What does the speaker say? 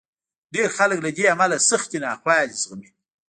ډېر خلک له دې امله سختې ناخوالې زغمي.